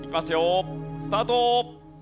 スタート！